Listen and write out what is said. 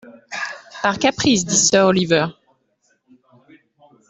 Par caprice, dit sir Olliver.